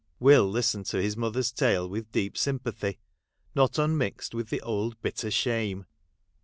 ' Will listened to his mother's tale with deep sympathy, not unmixed with the old bitter shame.